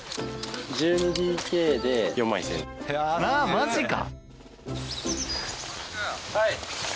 マジか！